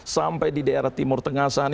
sampai di daerah timur tengah sana